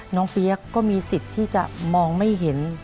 เปี๊ยกก็มีสิทธิ์ที่จะมองไม่เห็น